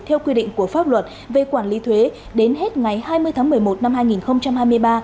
theo quy định của pháp luật về quản lý thuế đến hết ngày hai mươi tháng một mươi một năm hai nghìn hai mươi ba